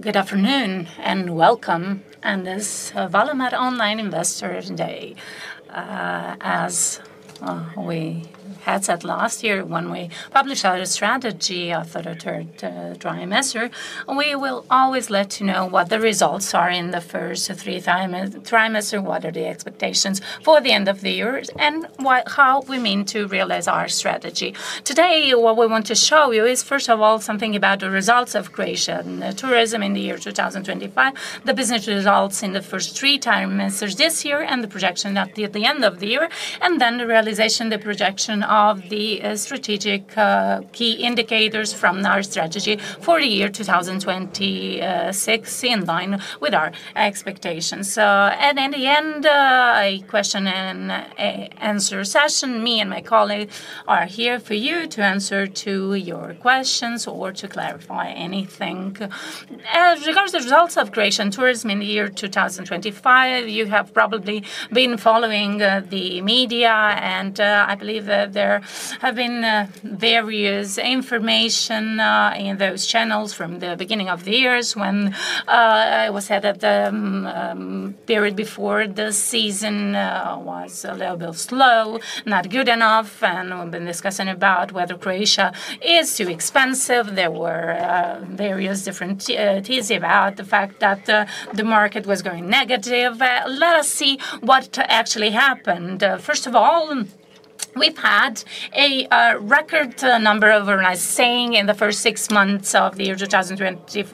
Good afternoon and welcome to this Valamar Online Investor Day. As we had said last year, when we published our strategy for the third trimester, we will always let you know what the results are in the first three trimesters, what are the expectations for the end of the year, and how we mean to realize our strategy. Today, what we want to show you is, first of all, something about the results of Croatian tourism in the year 2025, the business results in the first three trimesters this year, and the projection at the end of the year, and then the realization of the projection of the strategic key indicators from our strategy for the year 2026, in line with our expectations. At the end, a question and answer session. Me and my colleague are here for you to answer your questions or to clarify anything. In regards to the results of Croatian tourism in the year 2025, you have probably been following the media, and I believe that there has been various information in those channels from the beginning of the year when it was said that the period before the season was a little bit slow, not good enough, and we've been discussing about whether Croatia is too expensive. There were various different teasing about the fact that the market was going negative. Let us see what actually happened. First of all, we've had a record number of overnight stays in the first six months of the year 2025,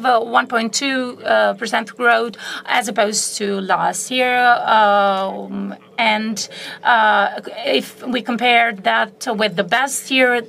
1.2% growth as opposed to last year. If we compare that with the best year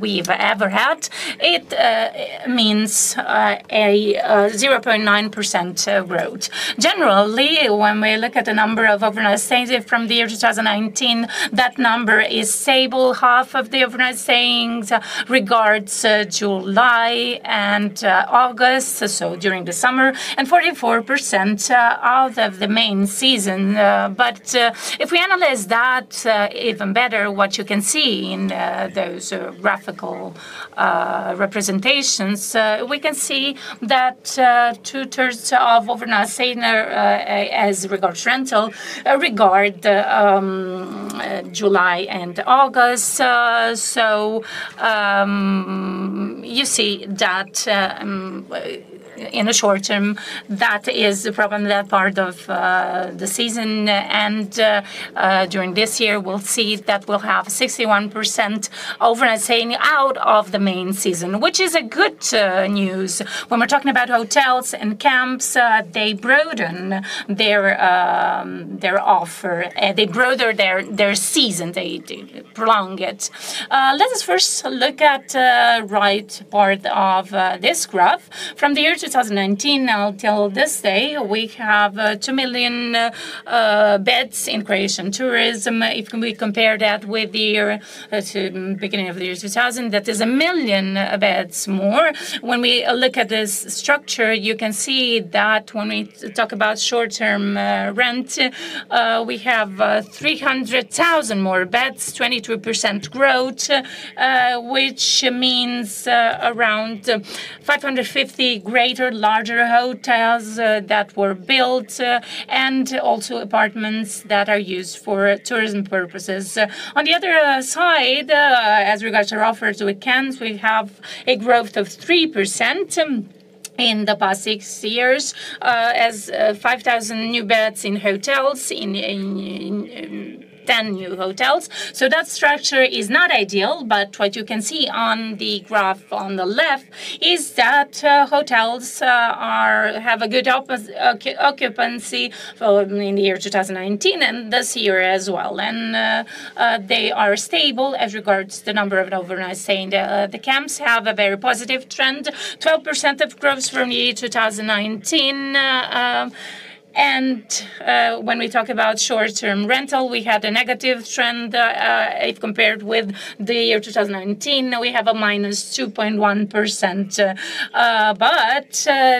we've ever had, it means a 0.9% growth. Generally, when we look at the number of overnight stays from the year 2019, that number is stable. Half of the overnight stays regards July and August, so during the summer, and 44% out of the main season. If we analyze that even better, what you can see in those graphical representations, we can see that two-thirds of overnight stays as regards rental regard July and August. You see that in the short term, that is the problem that part of the season. During this year, we'll see that we'll have 61% overnight stays out of the main season, which is good news. When we're talking about hotels and camps, they broaden their offer, they broaden their season, they prolong it. Let us first look at the right part of this graph. From the year 2019 until this day, we have 2 million beds in Croatian tourism. If we compare that with the beginning of the year 2000, that is a million beds more. When we look at this structure, you can see that when we talk about short-term rent, we have 300,000 more beds, 22% growth, which means around 550 greater, larger hotels that were built and also apartments that are used for tourism purposes. On the other side, as regards to our offers to weekends, we have a growth of 3% in the past six years, as 5,000 new beds in hotels, in 10 new hotels. That structure is not ideal, but what you can see on the graph on the left is that hotels have a good occupancy in the year 2019 and this year as well. They are stable as regards to the number of overnight stays. The camps have a very positive trend, 12% of growth from the year 2019. When we talk about short-term rental, we had a negative trend if compared with the year 2019. We have a minus 2.1%.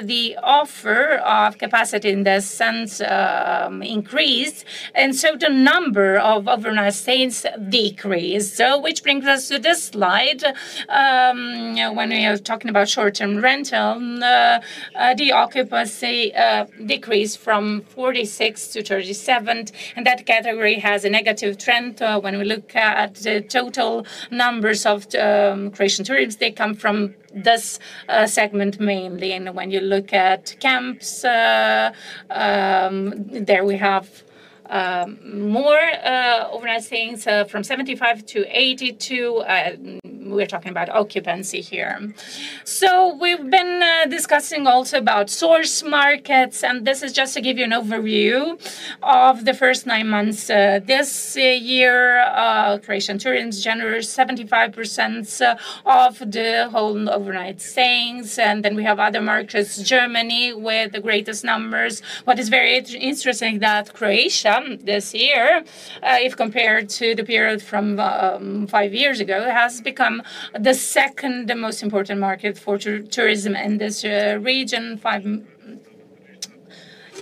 The offer of capacity in this sense increased, and the number of overnight stays decreased, which brings us to this slide. When we are talking about short-term rental, the occupancy decreased from 46 to 37, and that category has a negative trend. When we look at the total numbers of Croatian tourists, they come from this segment mainly. When you look at camps, there we have more overnight stays from 75 to 82. We're talking about occupancy here. We've been discussing also about source markets, and this is just to give you an overview of the first nine months this year. Croatian tourism generated 75% of the whole overnight stays. Then we have other markets, Germany with the greatest numbers. What is very interesting is that Croatia this year, if compared to the period from five years ago, has become the second most important market for tourism in this region.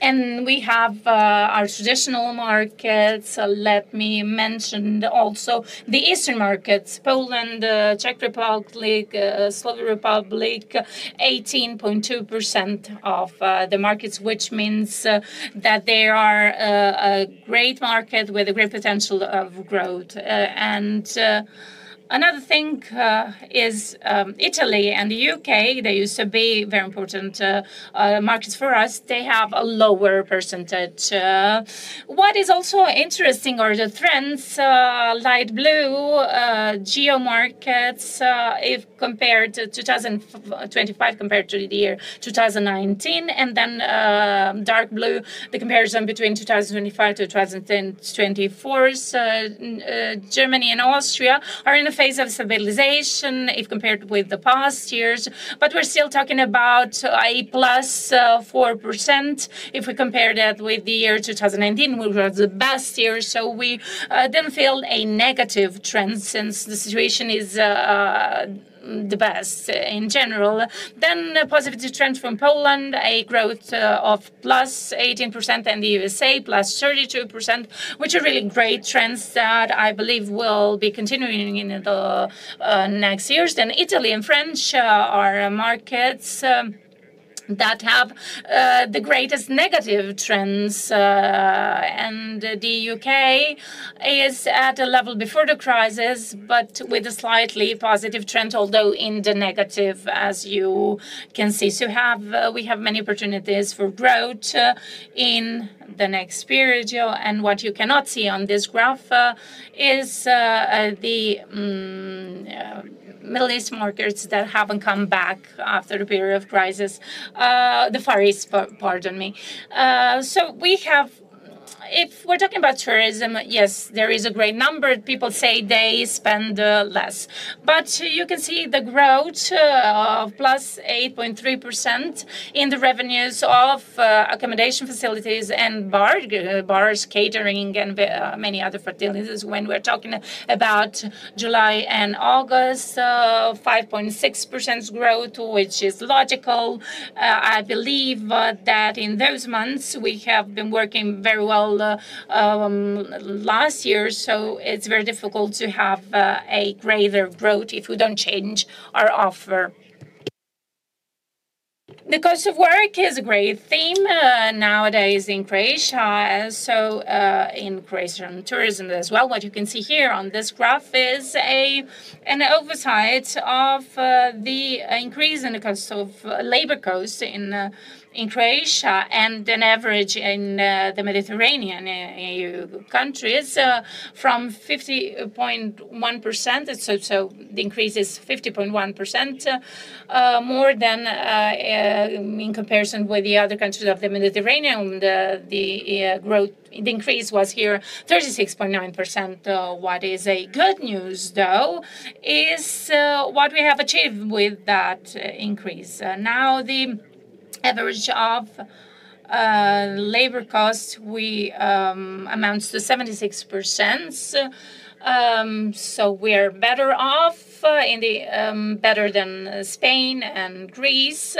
We have our traditional markets. Let me mention also the Eastern markets: Poland, Czech Republic, and the Slovak Republic. 18.2% of the markets, which means that they are a great market with a great potential of growth. Another thing is Italy and the UK. They used to be very important markets for us. They have a lower percentage. What is also interesting are the trends, light blue, geo markets if compared to 2025, compared to the year 2019. Then dark blue, the comparison between 2025 to 2024. Germany and Austria are in a phase of stabilization if compared with the past years, but we're still talking about a plus 4%. If we compare that with the year 2019, which was the best year, we didn't feel a negative trend since the situation is the best in general. A positive trend from Poland, a growth of +18%, and the USA +32%, which are really great trends that I believe will be continuing in the next years. Italy and France are markets that have the greatest negative trends, and the UK is at a level before the crisis, but with a slightly positive trend, although in the negative, as you can see. We have many opportunities for growth in the next period. What you cannot see on this graph is the Middle East markets that haven't come back after the period of crisis. The Far East, pardon me. If we're talking about tourism, yes, there is a great number of people say they spend less. You can see the growth of +8.3% in the revenues of accommodation facilities and bars, catering, and many other facilities. When we're talking about July and August, 5.6% growth, which is logical. I believe that in those months, we have been working very well last year, so it's very difficult to have a greater growth if we don't change our offer. The cost of work is a great theme nowadays in Croatia, so in Croatian tourism as well. What you can see here on this graph is an oversight of the increase in the cost of labor costs in Croatia and an average in the Mediterranean EU countries from 50.1%. The increase is 50.1% more than in comparison with the other countries of the Mediterranean. The growth increase was here 36.9%. What is good news, though, is what we have achieved with that increase. Now, the average of labor costs amounts to 76%. We are better off in the better than Spain and Greece.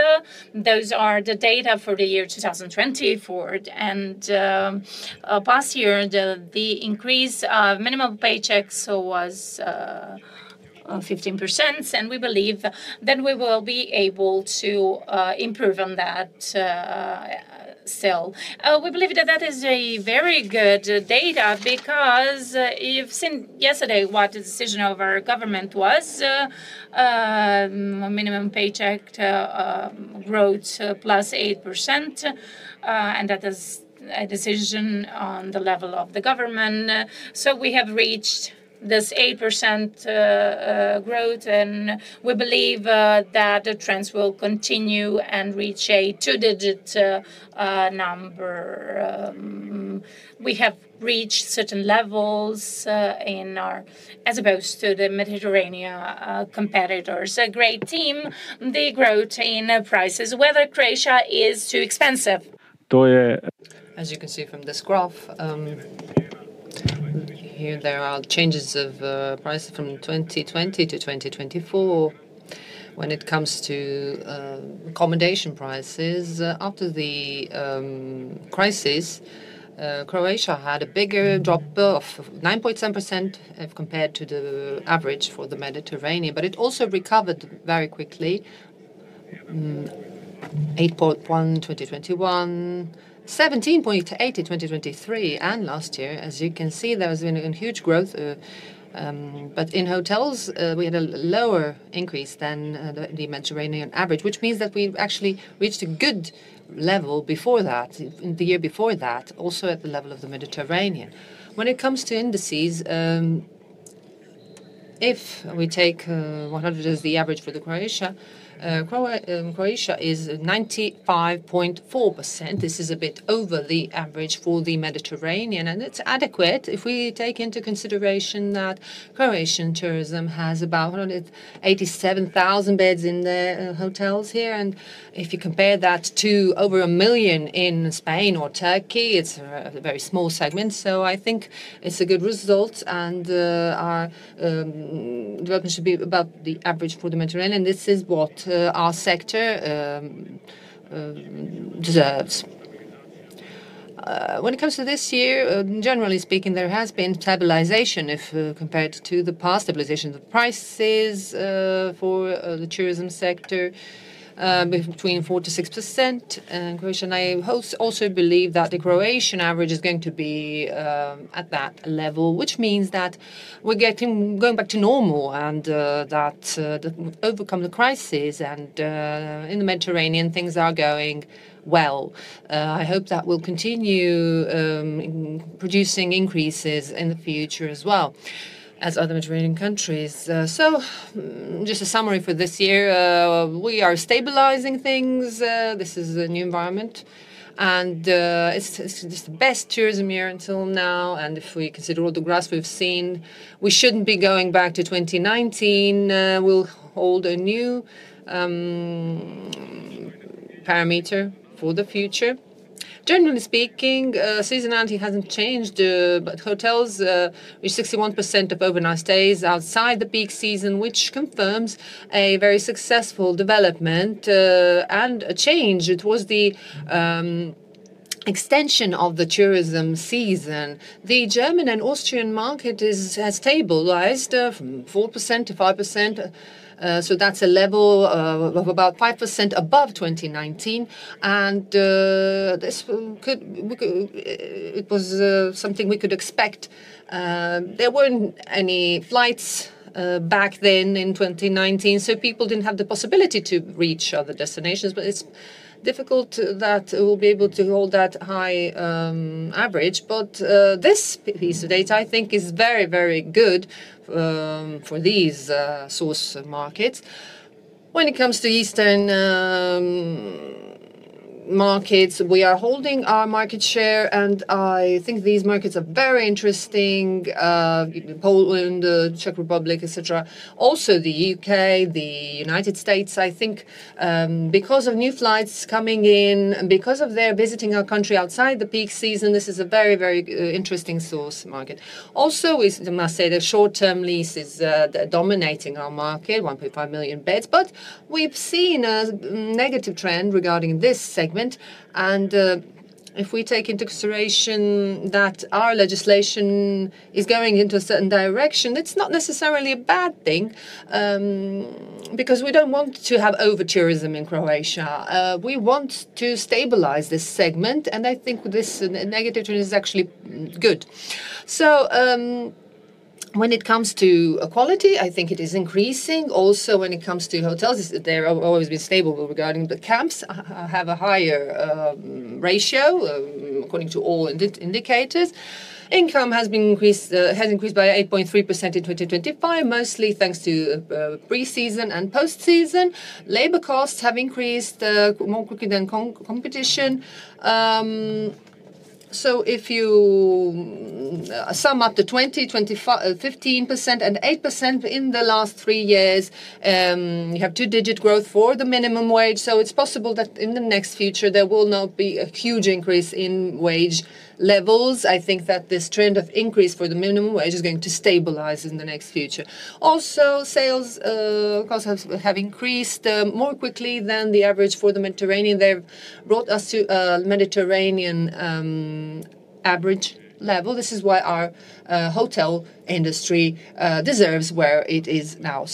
Those are the data for the year 2024. Last year, the increase of minimum paychecks was 15%. We believe that we will be able to improve on that still. We believe that that is a very good data because you've seen yesterday what the decision of our government was: minimum paycheck growth +8%. That is a decision on the level of the government. We have reached this 8% growth, and we believe that the trends will continue and reach a two-digit number. We have reached certain levels as opposed to the Mediterranean competitors. A great theme, the growth in prices, whether Croatia is too expensive. As you can see from this graph, here there are changes of prices from 2020 to 2024. When it comes to accommodation prices, after the crisis, Croatia had a bigger drop of 9.7% compared to the average for the Mediterranean, but it also recovered very quickly: 8.1% in 2021, 17.8% in 2023, and last year. As you can see, there has been a huge growth. In hotels, we had a lower increase than the Mediterranean average, which means that we actually reached a good level before that, the year before that, also at the level of the Mediterranean. When it comes to indices, if we take 100 as the average for Croatia, Croatia is 95.4%. This is a bit over the average for the Mediterranean, and it's adequate if we take into consideration that Croatian tourism has about 187,000 beds in the hotels here. If you compare that to over a million in Spain or Turkey, it's a very small segment. I think it's a good result, and our development should be about the average for the Mediterranean. This is what our sector deserves. When it comes to this year, generally speaking, there has been stabilization if compared to the past. Stabilization of prices for the tourism sector between 4%-6%. I also believe that the Croatian average is going to be at that level, which means that we're going back to normal and that we've overcome the crisis. In the Mediterranean, things are going well. I hope that we'll continue producing increases in the future as well as other Mediterranean countries. Just a summary for this year, we are stabilizing things. This is a new environment, and it's just the best tourism year until now. If we consider all the graphs we've seen, we shouldn't be going back to 2019. We'll hold a new parameter for the future. Generally speaking, seasonality hasn't changed, but hotels reach 61% of overnight stays outside the peak season, which confirms a very successful development and a change. It was the extension of the tourism season. The German and Austrian market has stabilized from 4%-5%. That's a level of about 5% above 2019, and it was something we could expect. There weren't any flights back then in 2019, so people didn't have the possibility to reach other destinations. It's difficult that we'll be able to hold that high average, but this piece of data, I think, is very, very good for these source markets. When it comes to Eastern markets, we are holding our market share, and I think these markets are very interesting: Poland, Czech Republic, etc. Also, the UK, the United States. I think because of new flights coming in, because of their visiting our country outside the peak season, this is a very, very interesting source market. Also, we must say that short-term leases are dominating our market, 1.5 million beds. We've seen a negative trend regarding this segment. If we take into consideration that our legislation is going into a certain direction, it's not necessarily a bad thing because we don't want to have overtourism in Croatia. We want to stabilize this segment, and I think this negative trend is actually good. When it comes to quality, I think it is increasing. Also, when it comes to hotels, they've always been stable. Regarding the camps, they have a higher ratio according to all indicators. Income has increased by 8.3% in 2025, mostly thanks to pre-season and post-season. Labor costs have increased more quickly than competition. If you sum up the 20%, 15%, and 8% in the last three years, you have two-digit growth for the minimum wage. It's possible that in the next future, there will not be a huge increase in wage levels. I think that this trend of increase for the minimum wage is going to stabilize in the next future. Also, sales costs have increased more quickly than the average for the Mediterranean. They've brought us to a Mediterranean average level. This is why our hotel industry deserves where it is now.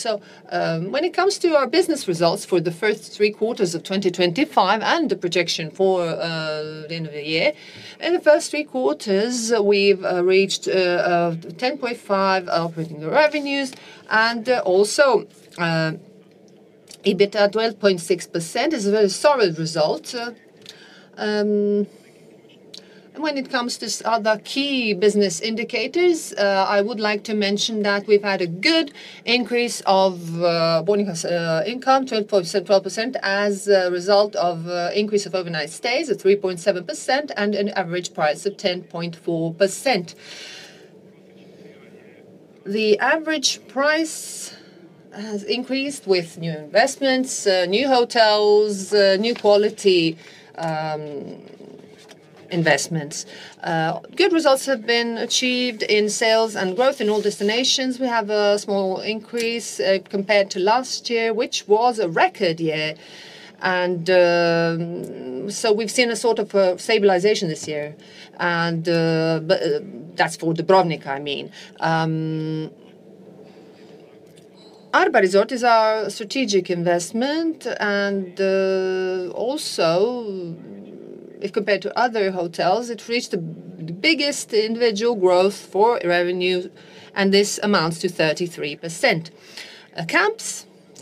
When it comes to our business results for the first three quarters of 2025 and the projection for the end of the year, in the first three quarters, we've reached 10.5% operating revenues, and also EBITDA 12.6% is a very solid result. When it comes to other key business indicators, I would like to mention that we've had a good increase of borrowing income, 12.12%, as a result of an increase of overnight stays of 3.7% and an average price of 10.4%. The average price has increased with new investments, new hotels, new quality investments. Good results have been achieved in sales and growth in all destinations. We have a small increase compared to last year, which was a record year. We've seen a sort of stabilization this year. That's for Dubrovnik, I mean. Arba Resort is our strategic investment. If compared to other hotels, it reached the biggest individual growth for revenue, and this amounts to 33%.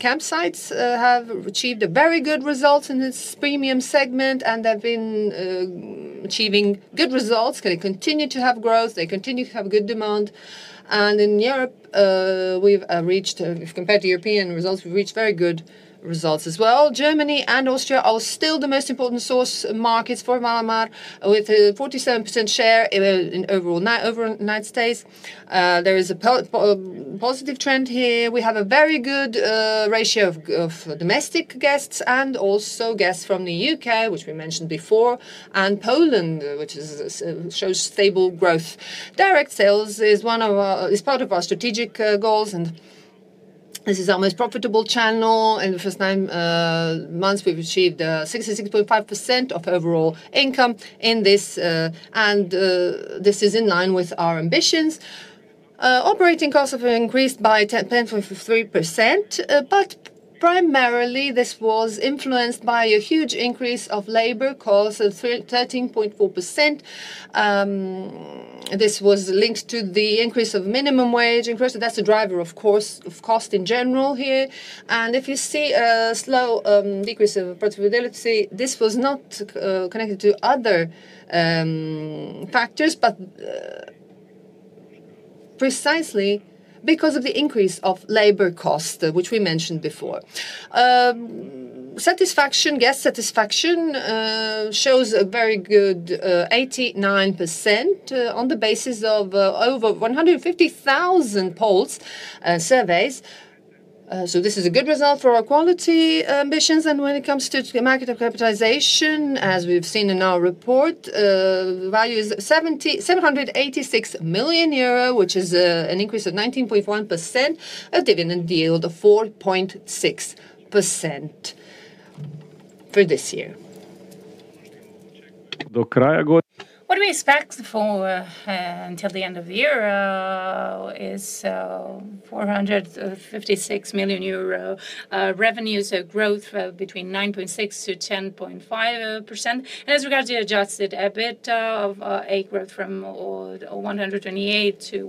Campsites have achieved a very good result in this premium segment, and they've been achieving good results. They continue to have growth. They continue to have good demand. In Europe, we've reached, if compared to European results, we've reached very good results as well. Germany and Austria are still the most important source markets for Valamar Riviera, with a 47% share in overnight stays. There is a positive trend here. We have a very good ratio of domestic guests and also guests from the UK, which we mentioned before, and Poland, which shows stable growth. Direct sales is part of our strategic goals, and this is our most profitable channel. In the first nine months, we've achieved 66.5% of overall income in this, and this is in line with our ambitions. Operating costs have increased by 10.3%. Primarily, this was influenced by a huge increase of labor costs, 13.4%. This was linked to the increase of minimum wage increase. That's a driver, of course, of cost in general here. If you see a slow decrease of profitability, this was not connected to other factors, but precisely because of the increase of labor costs, which we mentioned before. Guest satisfaction shows a very good 89% on the basis of over 150,000 surveys. This is a good result for our quality ambitions. When it comes to market capitalization, as we've seen in our report, the value is 786 million euro, which is an increase of 19.1%, a dividend yield of 4.6% for this year. What we expect until the end of the year is 456 million euro revenues, a growth between 9.6%-10.5%. As regards to the adjusted EBITDA, a growth from EUR 128 million-EUR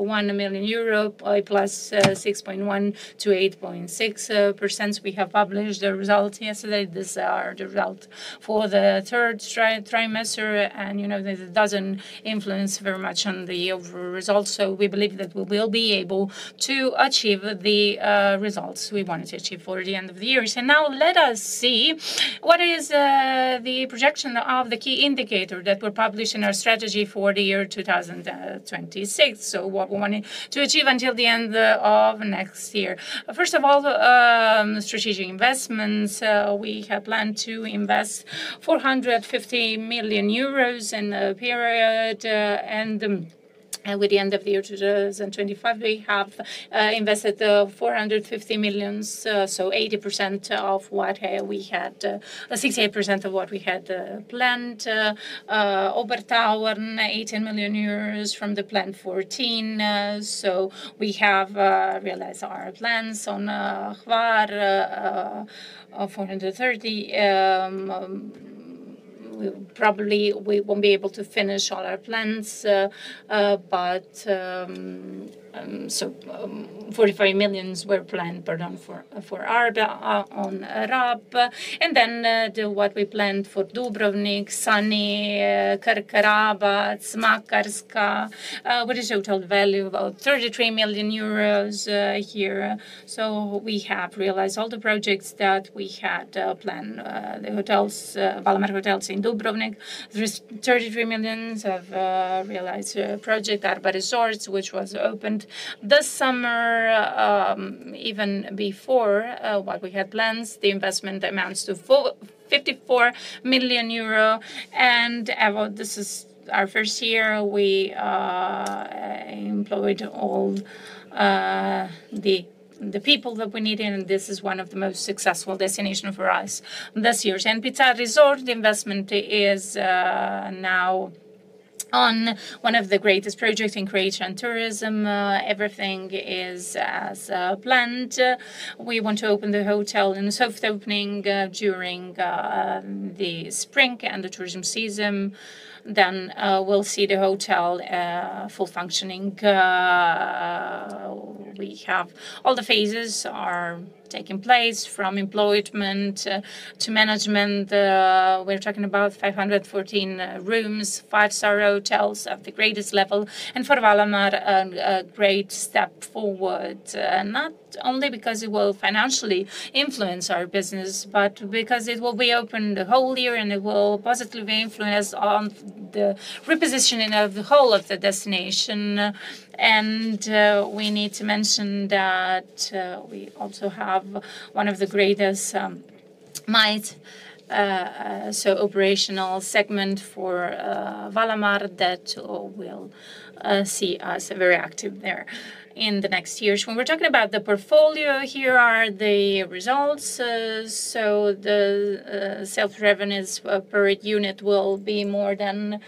131 million, +6.1%-8.6%. We have published the results yesterday. These are the results for the third trimester, and you know that it doesn't influence very much on the overall results. We believe that we will be able to achieve the results we wanted to achieve for the end of the year. Now, let us see what is the projection of the key indicator that we're publishing our strategy for the year 2026. What we want to achieve until the end of next year. First of all, strategic investments. We have planned to invest 450 million euros in the period. With the end of the year 2025, we have invested 450 million, so 80% of what we had, 68% of what we had planned. Obertauern, 18 million euros from the planned 14. We have realized our plans on Hvar, 430. Probably, we won't be able to finish all our plans, but 44 million were planned for Arba Resort on Rab. What we planned for Dubrovnik, Sunny, Krka Rabat, Makarska, with a total value of 33 million euros here. We have realized all the projects that we had planned. The hotels, Valamar Hotels in Dubrovnik, 33 million have realized a project, Arba Resort, which was opened this summer even before what we had planned. The investment amounts to 54 million euro. This is our first year we employed all the people that we needed, and this is one of the most successful destinations for us this year. Pical Resort, the investment is now on one of the greatest projects in Croatian tourism. Everything is as planned. We want to open the hotel in the soft opening during the spring and the tourism season. We will see the hotel full functioning. We have all the phases taking place, from employment to management. We're talking about 514 rooms, five-star hotels at the greatest level. For Valamar Riviera, a great step forward, not only because it will financially influence our business, but because it will be open the whole year and it will positively influence the repositioning of the whole of the destination. We need to mention that we also have one of the greatest might, so operational segment for Valamar Riviera that will see us very active there in the next years. When we're talking about the portfolio, here are the results. The self-revenues per unit will be more than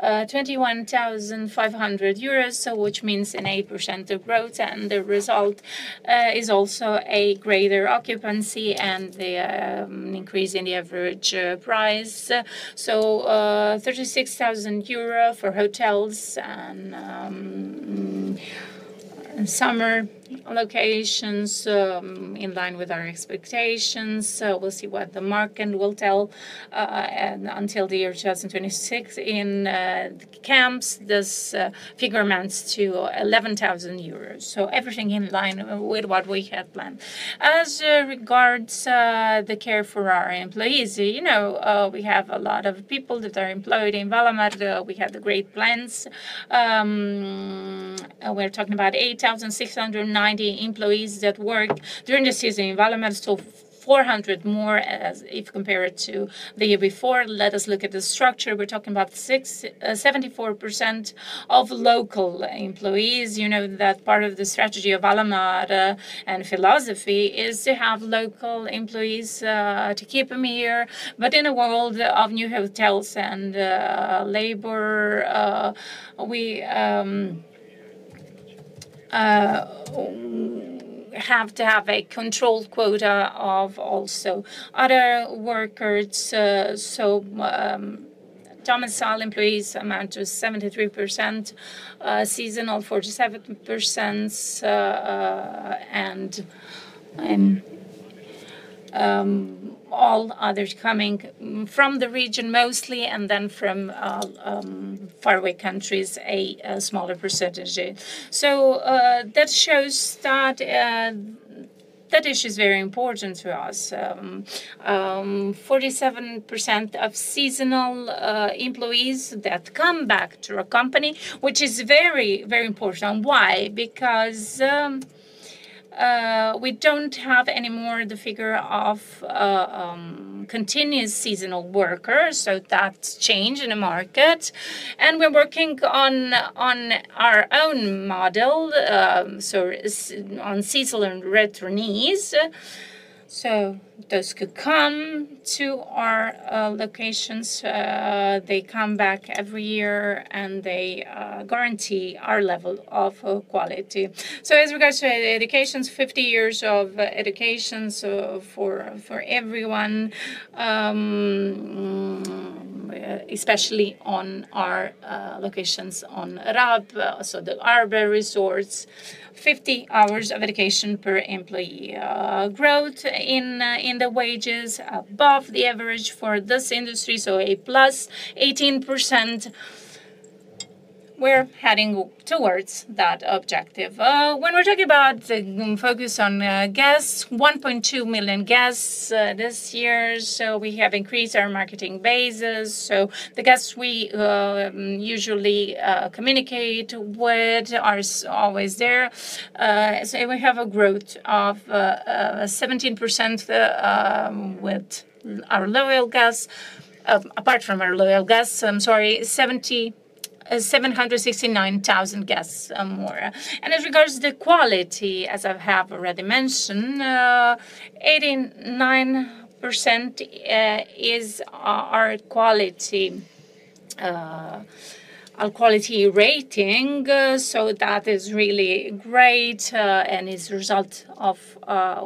21,500 euros, which means an 8% growth. The result is also a greater occupancy and an increase in the average price. 36,000 euro for hotels and summer locations in line with our expectations. We will see what the market will tell until the year 2026. In the camps, this figure amounts to 11,000 euros. Everything in line with what we had planned. As regards the care for our employees, you know we have a lot of people that are employed in Valamar Riviera. We had great plans. We're talking about 8,690 employees that work during the season in Valamar Riviera, 400 more as if compared to the year before. Let us look at the structure. We're talking about 74% of local employees. You know that part of the strategy of Valamar Riviera and philosophy is to have local employees, to keep them here. In a world of new hotels and labor, we have to have a controlled quota of also other workers. Domiciled employees amount to 73%, seasonal 47%, and all others coming from the region mostly, and then from faraway countries, a smaller percentage. That shows that that issue is very important to us. 47% of seasonal employees that come back to our company, which is very, very important. Why? Because we don't have anymore the figure of continuous seasonal workers. That's changed in the market. We're working on our own model, on seasonal returnees. Those who come to our locations come back every year, and they guarantee our level of quality. As regards to education, 50 years of education for everyone, especially on our locations on Rab, the Arba Resort, 50 hours of education per employee. Growth in the wages above the average for this industry, a +18%. We're heading towards that objective. When we're talking about the focus on guests, 1.2 million guests this year. We have increased our marketing basis. The guests we usually communicate with are always there. We have a growth of 17% with our loyal guests. Apart from our loyal guests, 769,000 guests more. As regards to the quality, as I have already mentioned, 89% is our quality rating. That is really great and is a result of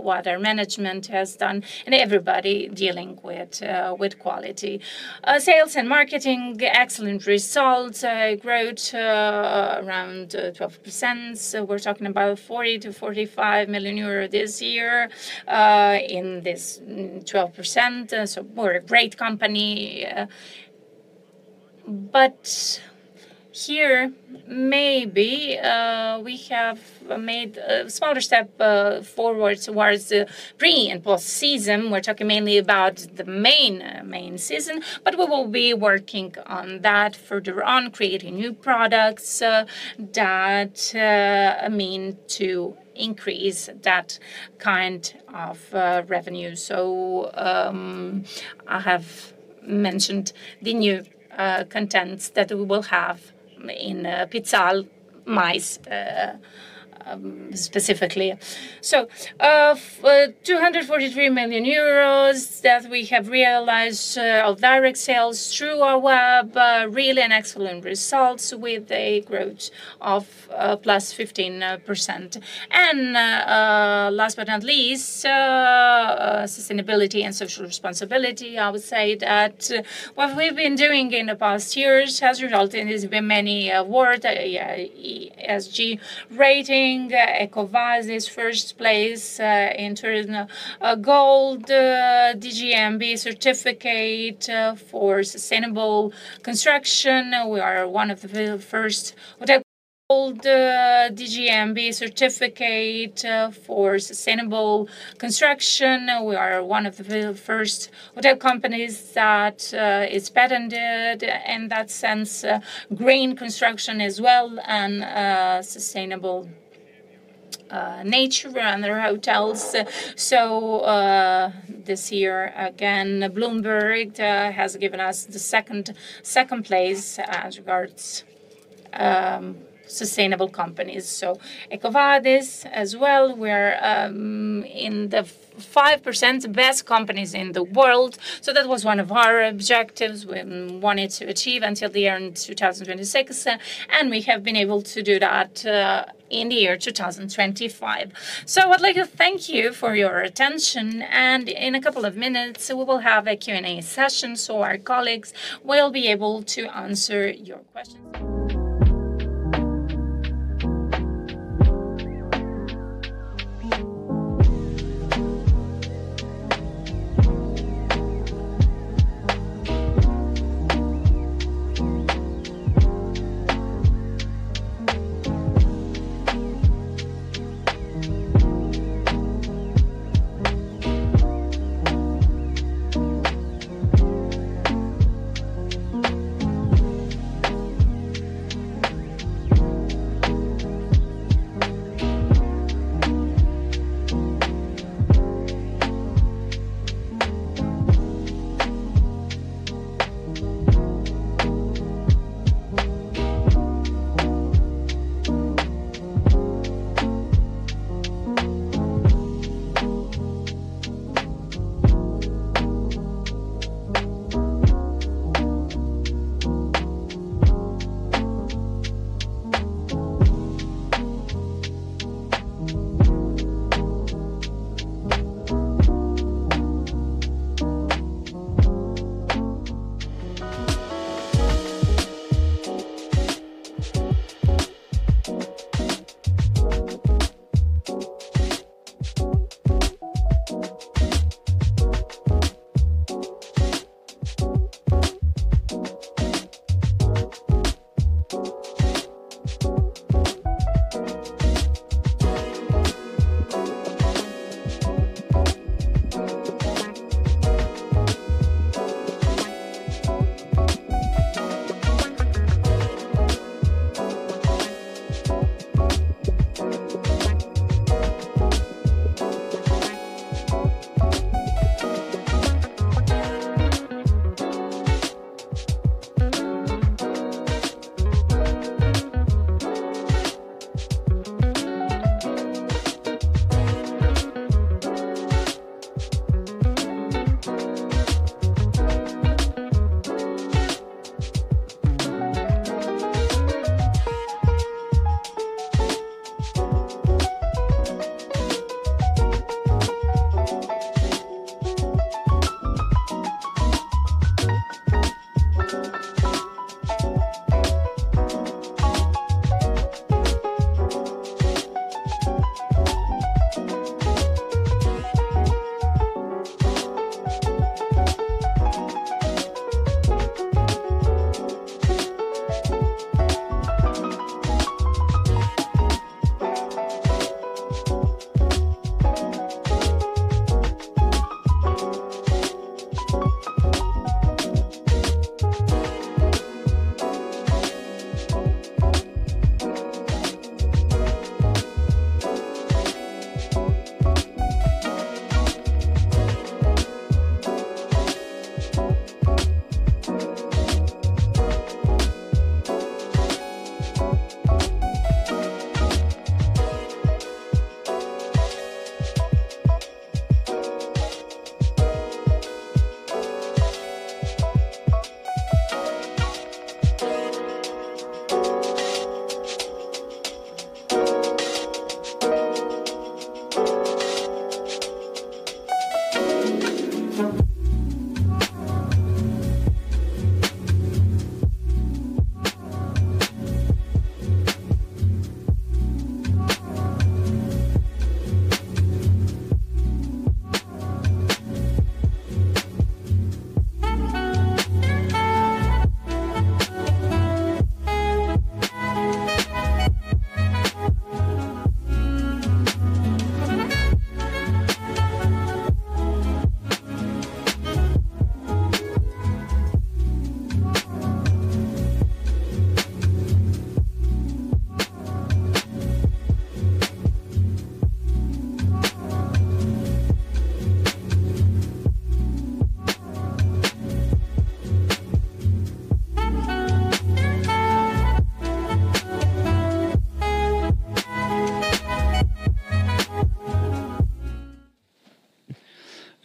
what our management has done and everybody dealing with quality. Sales and marketing, excellent results, growth around 12%. We're talking about 40 million-45 million euro this year in this 12%. We're a great company. Here, maybe we have made a smaller step forward towards the pre and post-season. We're talking mainly about the main season, but we will be working on that further on, creating new products that mean to increase that kind of revenue. I have mentioned the new contents that we will have in Pical Resort specifically. EUR 243 million that we have realized of direct sales through our web, really an excellent result with a growth of +15%. Last but not least, sustainability and social responsibility. I would say that what we've been doing in the past years has resulted in this many awards: ESG rating, EcoVadis first place in turn, a gold DGNB certificate for sustainable construction. We are one of the first hotels. Gold DGNB certificate for sustainable construction. We are one of the first hotel companies that is patented in that sense, green construction as well, and sustainable nature around our hotels. This year, again, Bloomberg has given us the second place as regards to sustainable companies. EcoVadis as well. We're in the 5% best companies in the world. That was one of our objectives we wanted to achieve until the year 2026. We have been able to do that in the year 2025. I would like to thank you for your attention. In a couple of minutes, we will have a Q&A session, so our colleagues will be able to answer your questions.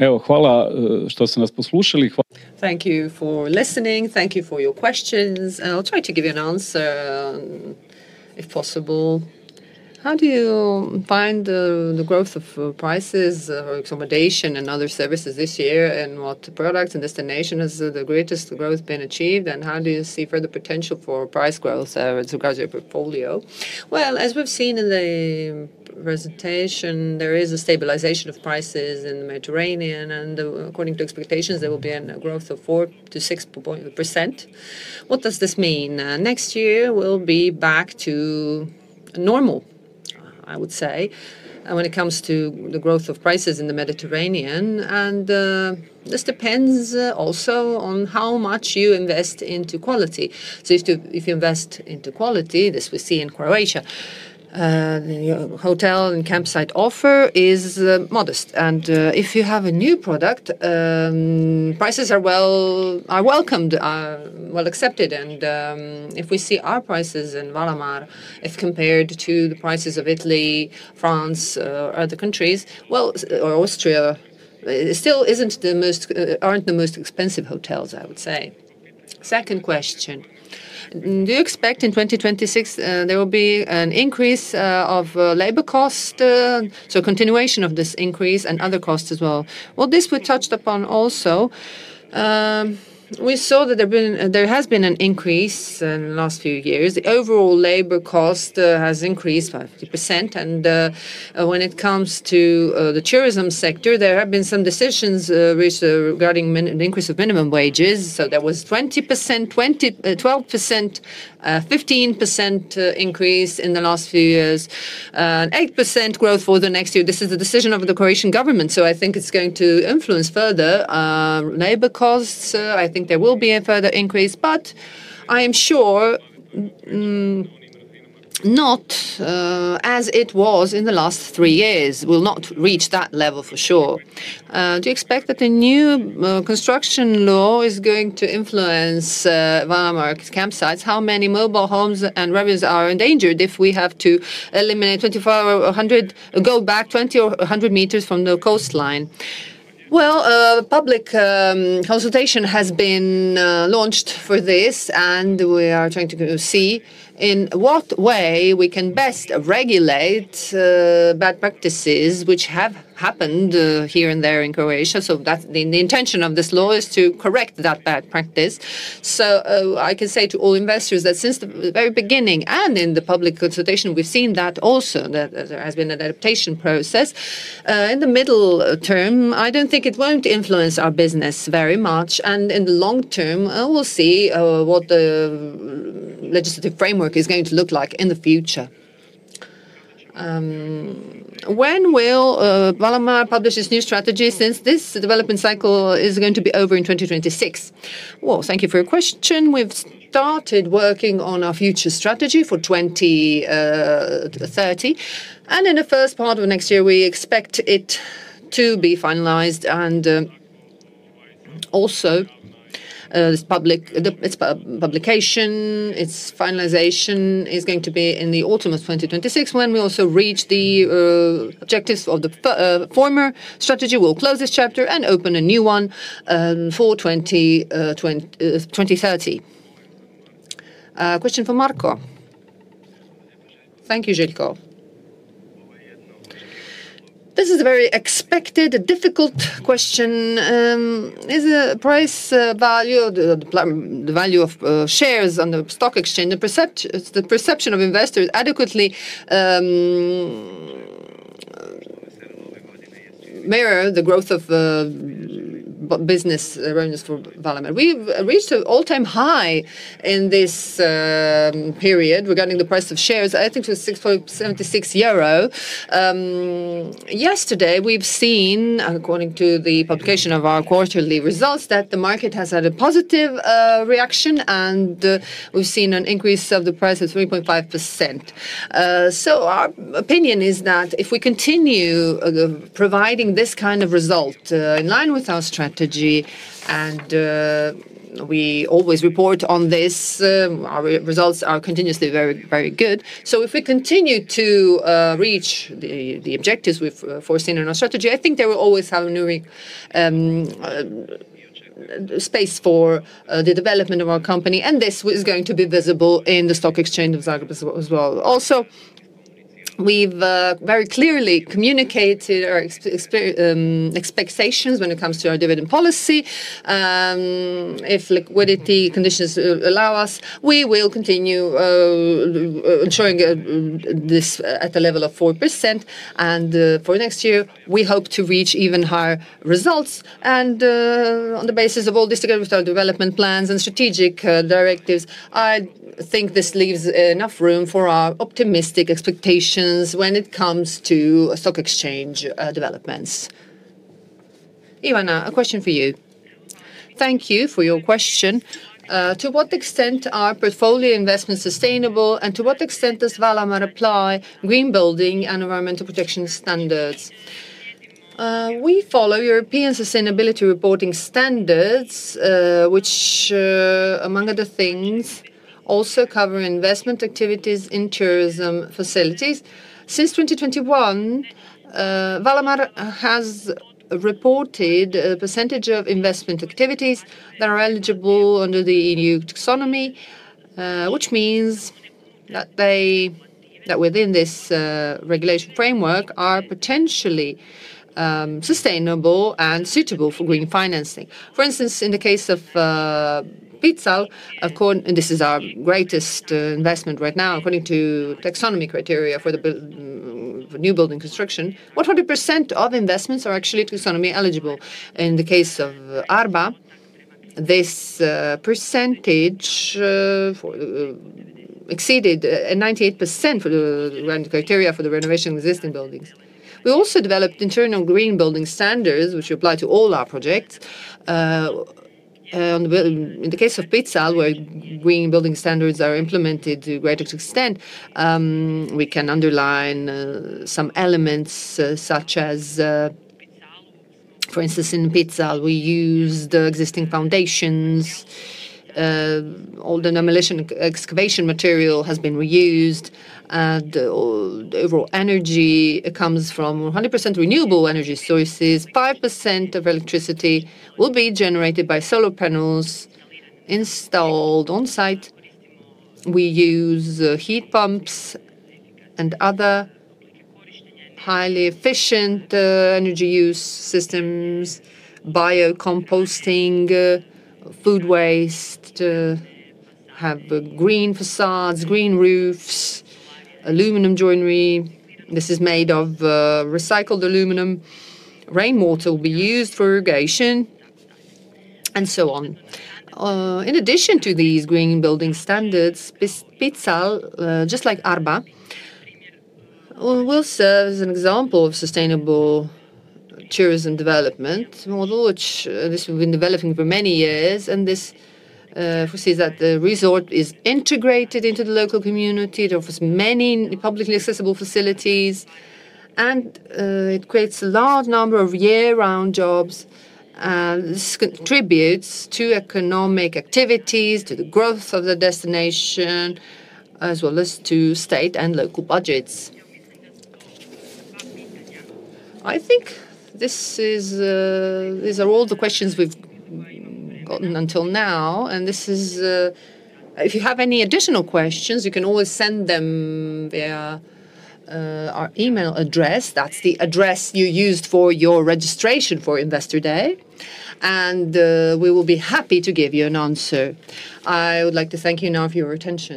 Thank you for listening. Thank you for your questions. I'll try to give you an answer if possible. How do you find the growth of prices for accommodation and other services this year? What products and destinations has the greatest growth been achieved? How do you see further potential for price growth as regards to your portfolio? As we've seen in the presentation, there is a stabilization of prices in the Mediterranean. According to expectations, there will be a growth of 4%-6%. What does this mean? Next year will be back to normal, I would say, when it comes to the growth of prices in the Mediterranean. This depends also on how much you invest into quality. If you invest into quality, this we see in Croatia, your hotel and campsite offer is modest. If you have a new product, prices are welcomed, are well accepted. If we see our prices in Valamar Riviera, if compared to the prices of Italy, France, or other countries, or Austria, still aren't the most expensive hotels, I would say. Second question. Do you expect in 2026 there will be an increase of labor cost? A continuation of this increase and other costs as well. This we touched upon also. We saw that there has been an increase in the last few years. The overall labor cost has increased by 50%. When it comes to the tourism sector, there have been some decisions regarding the increase of minimum wages. There was 20%, 12%, 15% increase in the last few years, and 8% growth for the next year. This is the decision of the Croatian government. I think it's going to influence further labor costs. I think there will be a further increase, but I am sure not as it was in the last three years. We'll not reach that level for sure. Do you expect that the new construction law is going to influence Valamar Riviera campsites? How many mobile homes and revenues are endangered if we have to eliminate 2,400, go back 20 or 100 m from the coastline? Public consultation has been launched for this, and we are trying to see in what way we can best regulate bad practices which have happened here and there in Croatia. The intention of this law is to correct that bad practice. I can say to all investors that since the very beginning and in the public consultation, we've seen that also that there has been an adaptation process. In the middle term, I don't think it won't influence our business very much. In the long term, we'll see what the legislative framework is going to look like in the future. When will Valamar Riviera publish its new strategy since this development cycle is going to be over in 2026? Thank you for your question. We've started working on our future strategy for 2030, and in the first part of next year, we expect it to be finalized. This publication, its finalization, is going to be in the autumn of 2026 when we also reach the objectives of the former strategy. We'll close this chapter and open a new one for 2030. Question for Marko. Thank you, Željko. This is a very expected, difficult question. Is the price value or the value of shares on the stock exchange, the perception of investors, adequately mirroring the growth of business revenues for Valamar Riviera? We've reached an all-time high in this period regarding the price of shares. I think it was 6.76 euro. Yesterday, we've seen, according to the publication of our quarterly results, that the market has had a positive reaction, and we've seen an increase of the price of 3.5%. Our opinion is that if we continue providing this kind of result in line with our strategy, and we always report on this, our results are continuously very, very good. If we continue to reach the objectives we've foreseen in our strategy, I think there will always be new space for the development of our company, and this is going to be visible in the stock exchange of Zagreb as well. We've very clearly communicated our expectations when it comes to our dividend policy. If liquidity conditions allow us, we will continue ensuring this at a level of 4%. For next year, we hope to reach even higher results. On the basis of all these development plans and strategic directives, I think this leaves enough room for our optimistic expectations when it comes to stock exchange developments. Ivana, a question for you. Thank you for your question. To what extent are portfolio investments sustainable, and to what extent does Valamar Riviera apply green building and environmental protection standards? We follow European sustainability reporting standards, which, among other things, also cover investment activities in tourism facilities. Since 2021, Valamar Riviera has reported a percentage of investment activities that are eligible under the EU Taxonomy, which means that within this regulation framework are potentially sustainable and suitable for green financing. For instance, in the case of Pical Resort, this is our greatest investment right now, according to EU Taxonomy criteria for the new building construction. 100% of investments are actually taxonomy eligible. In the case of Arba Resort, this percentage exceeded 98% for the criteria for the renovation of existing buildings. We also developed internal green building standards, which we apply to all our projects. In the case of Pical Resort, where green building standards are implemented to a greater extent, we can underline some elements such as, for instance, in Pical Resort, we used existing foundations. All the demolition excavation material has been reused. The overall energy comes from 100% renewable energy sources. 5% of electricity will be generated by solar panels installed on site. We use heat pumps and other highly efficient energy use systems, bio-composting food waste, have green facades, green roofs, aluminum joinery. This is made of recycled aluminum. Rainwater will be used for irrigation, and so on. In addition to these green building standards, Pical Resort, just like Arba Resort, will serve as an example of sustainable tourism development model, which we've been developing for many years. This foresees that the resort is integrated into the local community. It offers many publicly accessible facilities, and it creates a large number of year-round jobs. This contributes to economic activities, to the growth of the destination, as well as to state and local budgets. I think these are all the questions we've gotten until now. If you have any additional questions, you can always send them via our email address. That's the address you used for your registration for Investor Day, and we will be happy to give you an answer. I would like to thank you now for your attention.